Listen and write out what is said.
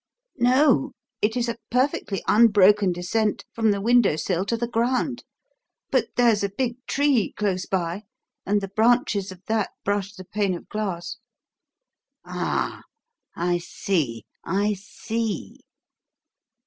"No, it is a perfectly unbroken descent from the window sill to the ground. But there's a big tree close by, and the branches of that brush the pane of glass." "Ah! I see! I see!